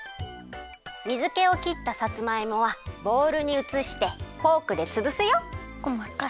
水けをきったさつまいもはボウルにうつしてフォークでつぶすよ。